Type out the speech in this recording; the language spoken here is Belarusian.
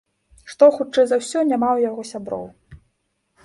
Што, хутчэй за ўсё, няма ў яго сяброў.